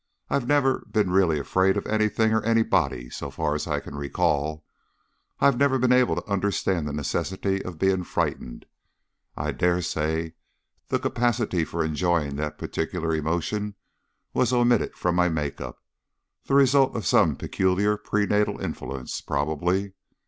"I've never been really afraid of anything or anybody, so far as I recall. I've never been able to understand the necessity of being frightened. I dare say the capacity for enjoying that particular emotion was omitted from my make up the result of some peculiar prenatal influence, probably.